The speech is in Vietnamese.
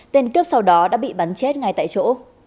tên cướp sau đó đã bị bắn chết ngay tại chỗ